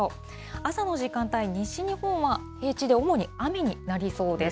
朝の時間帯、西日本は平地で主に雨になりそうです。